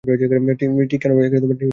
ঠিক কেন হবে না?